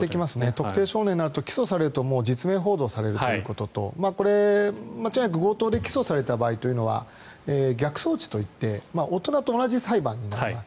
特定少年になると起訴されると実名報道されるということと強盗で起訴された場合逆送致といって大人と同じ裁判になります。